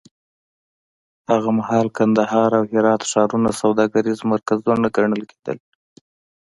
هغه مهال کندهار او هرات ښارونه سوداګریز مرکزونه ګڼل کېدل.